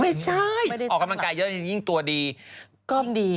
ไม่ใช่ออกกำลังกายเยอะยิ่งตัวดี